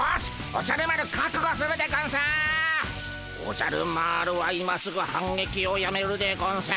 おじゃる丸は今すぐ反撃をやめるでゴンス。